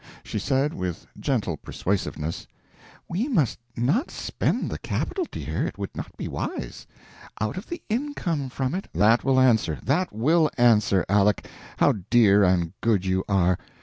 She said, with gentle persuasiveness: "We must not spend the capital, dear, it would not be wise. Out of the income from it " "That will answer, that will answer, Aleck! How dear and good you are!